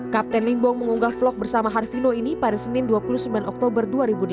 kapten limbong mengunggah vlog bersama harvino ini pada senin dua puluh sembilan oktober dua ribu delapan belas